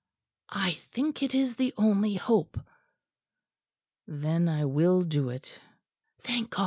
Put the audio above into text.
"I think it is the only hope." "Then I will do it." "Thank God!